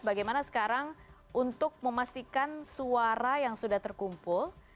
bagaimana sekarang untuk memastikan suara yang sudah terkumpul